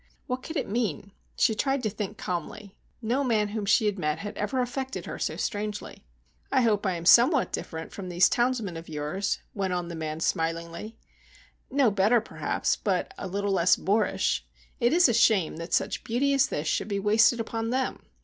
What could it mean? She tried to think calmly. No man whom she had met had ever affected her so strangely. "I hope I am somewhat different from these townsmen of yours," went on the man smilingly, "no better perhaps, but a little less boorish. It is a shame that such beauty as this should be wasted upon them!